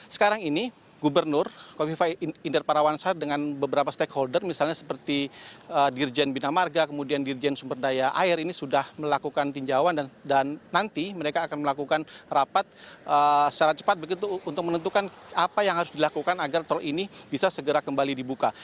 sekarang ini gubernur kofifa inder parawansa dengan beberapa stakeholder misalnya seperti dirjen bina marga kemudian dirjen sumber daya air ini sudah melakukan tinjauan dan nanti mereka akan melakukan rapat secara cepat begitu untuk menentukan apa yang harus dilakukan agar tol ini bisa segera kembali dibuka